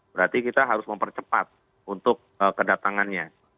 berarti kita harus mempercepat untuk kedatangannya